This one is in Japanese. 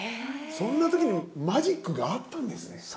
そんな時にマジックがあったんですね。